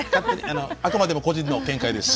あくまでも個人の見解です。